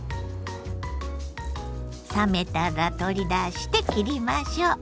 冷めたら取り出して切りましょう。